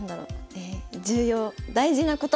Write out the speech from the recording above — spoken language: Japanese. え重要大事なこと！